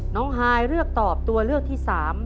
น้องไฮเลือกตอบตัวเลือกที่๓